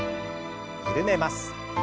緩めます。